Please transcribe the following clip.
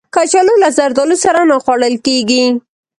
کچالو له زردالو سره نه خوړل کېږي